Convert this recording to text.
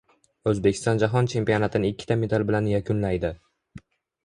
O‘zbekiston Jahon chempionatini ikkita medal bilan yakunlaydi